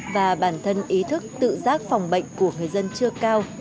và bản thân ý thức tự giác phòng bệnh của người dân chưa cao